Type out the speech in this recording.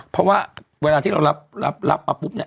เพราะว่าเวลาที่เรารับปรับปุ๊บ